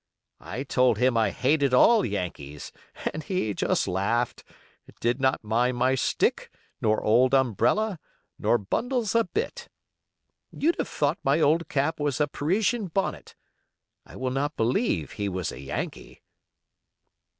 I told him I hated all Yankees, and he just laughed, and did not mind my stick, nor old umbrella, nor bundles a bit. You'd have thought my old cap was a Parisian bonnet. I will not believe he was a Yankee."